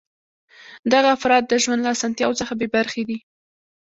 دغه افراد د ژوند له اسانتیاوو څخه بې برخې دي.